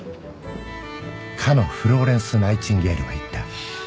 かのフローレンス・ナイチンゲールは言った